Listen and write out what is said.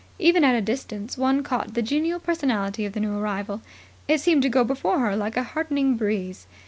Even at a distance one caught the genial personality of the new arrival. It seemed to go before her like a heartening breeze.